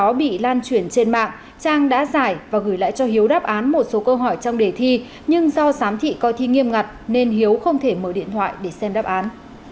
trước đó bị lan chuyển trên mạng trang đã giải và gửi lại cho hiếu đáp án một số câu hỏi trong đề thi nhưng do sám thị coi thi nghiêm ngặt nên hiếu không thể mở điện thoại để xem đáp án